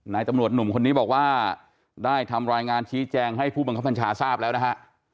นายตำรวจหนุ่มคนนี้บอกว่าได้ทำรายงานชี้แจงให้ผู้บังคับบัญชาทราบแล้วนะฮะ